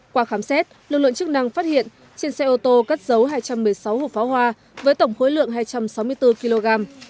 qua khám xét lực lượng chức năng phát hiện trên xe ô tô cắt dấu hai trăm một mươi sáu hộp pháo hoa với tổng khối lượng hai trăm sáu mươi bốn kg